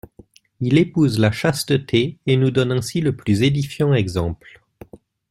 Il épouse la chasteté et nous donne ainsi le plus édifiant exemple.